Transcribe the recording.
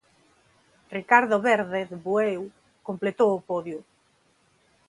Ricardo Verde, de Bueu, completou o podio.